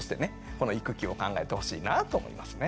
この育休を考えてほしいなと思いますね。